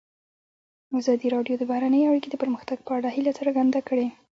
ازادي راډیو د بهرنۍ اړیکې د پرمختګ په اړه هیله څرګنده کړې.